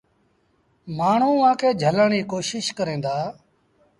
مآڻهوٚݩ اُئآݩ کي جھلن ري ڪوشيٚش ڪريݩ دآ ۔